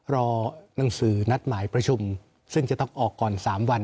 รอหนังสือนัดหมายประชุมซึ่งจะต้องออกก่อน๓วัน